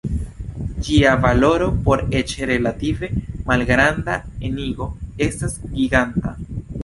Ĝia valoro por eĉ relative malgranda enigo estas "giganta".